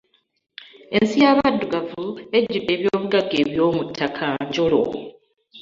Ensi y'abaddugavu ejjudde eby'obugagga eby'omuttaka njolo.